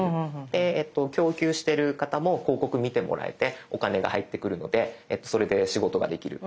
で供給してる方も広告見てもらえてお金が入ってくるのでそれで仕事ができる。